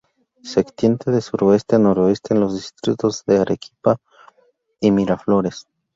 Se extiende de suroeste a noreste en los distritos de Arequipa y Miraflores.